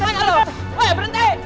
hanukkah ya anda